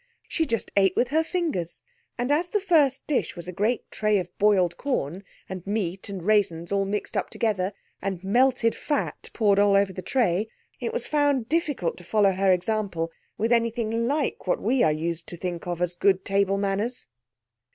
She just ate with her fingers, and as the first dish was a great tray of boiled corn, and meat and raisins all mixed up together, and melted fat poured all over the tray, it was found difficult to follow her example with anything like what we are used to think of as good table manners.